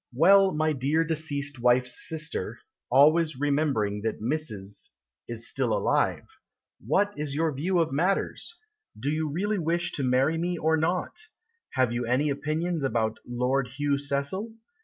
Well, my dear deceased wife's sister (Always remembering that Mrs. is still alive), What is your view of matters? Do you really wish to marry me or not? Have you any opinions about Lord Hugh Cecil?